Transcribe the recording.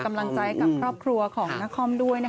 เป็นกำลังใจกับครอบครัวของนักคล่อมด้วยนะคะ